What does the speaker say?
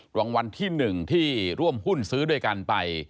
รวมวันที่หนึ่งที่ร่วมหุ้นซื้อด้วยกันไป